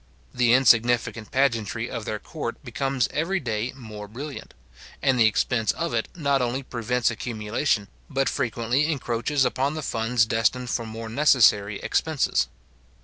The insignificant pageantry of their court becomes every day more brilliant; and the expense of it not only prevents accumulation, but frequently encroaches upon the funds destined for more necessary expenses.